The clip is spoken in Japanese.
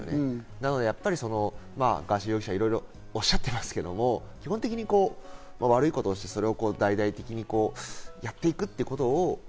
だからガーシー容疑者、いろいろとおっしゃってますけど、基本的に悪いことをして、それを大々的にやっていくということ。